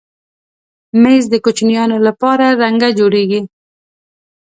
مېز د کوچنیانو لپاره رنګه جوړېږي.